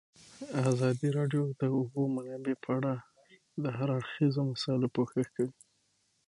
ازادي راډیو د د اوبو منابع په اړه د هر اړخیزو مسایلو پوښښ کړی.